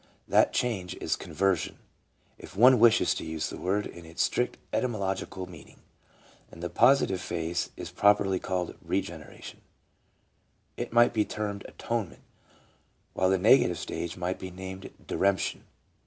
That change is conversion, if one wishes to use the word in its strict etymological meaning ; and the positive phase is prop erly called regeneration; it might be termed atonement; while the negative stage might be named diremption.